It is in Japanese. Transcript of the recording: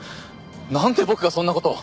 なんで僕がそんな事を。